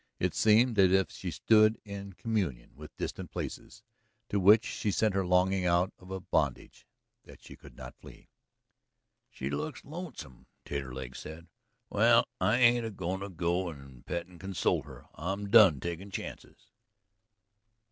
It seemed as if she stood in communion with distant places, to which she sent her longing out of a bondage that she could not flee. "She looks lonesome," Taterleg said. "Well, I ain't a goin' to go and pet and console her. I'm done takin' chances."